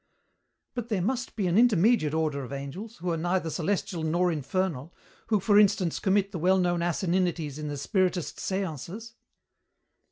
"But there must be an intermediate order of angels, who are neither celestial nor infernal, who, for instance, commit the well known asininities in the spiritist séances."